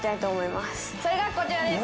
それがこちらです！